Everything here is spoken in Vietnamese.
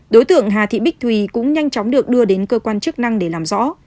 đối tượng hà thị bích thùy cũng nhanh chóng được đưa đến cơ quan chức năng để làm rõ